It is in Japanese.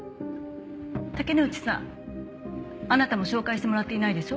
竹之内さんあなたも紹介してもらっていないでしょ？